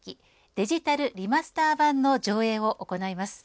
デジタルリマスター版の上映を行います。